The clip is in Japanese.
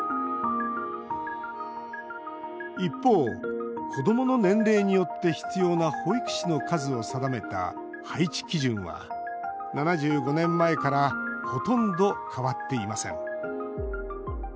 一方、子どもの年齢によって必要な保育士の数を定めた配置基準は、７５年前からほとんど変わっていません。